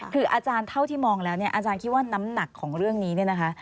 คืออาจารย์เท่าที่มองแล้วเนี่ยอาจารย์คิดว่าน้ำหนักของเรื่องนี้เนี่ยนะคะ